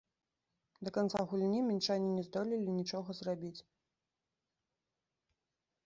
Да канца гульні мінчане не здолелі нічога зрабіць.